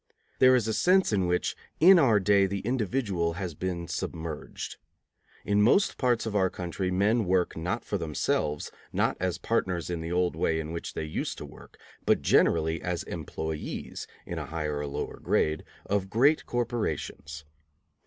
There is a sense in which in our day the individual has been submerged. In most parts of our country men work, not for themselves, not as partners in the old way in which they used to work, but generally as employees, in a higher or lower grade, of great corporations.